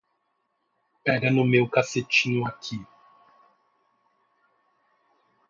Pega no meu cacetinho aqui